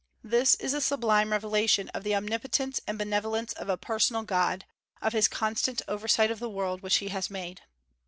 This is a sublime revelation of the omnipotence and benevolence of a personal God, of his constant oversight of the world which he has made.